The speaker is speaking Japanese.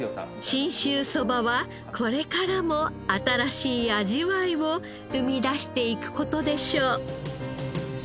信州そばはこれからも新しい味わいを生み出していく事でしょう。